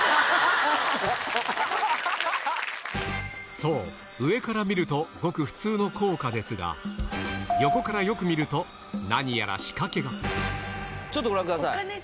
そう上から見るとごく横からよく見ると何やら仕掛けがちょっとご覧ください